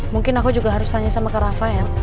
mungkin aku juga harus tanya sama ke rafael